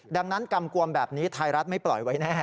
ดังนั้นกำกวมแบบนี้ไทยรัฐไม่ปล่อยไว้แน่